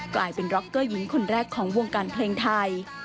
กลายเป็นร็อกเกอร์หญิงคนแรกของวงการเพลงไทย